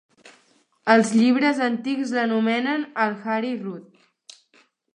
Els llibres antics l'anomenen el Hari Rud.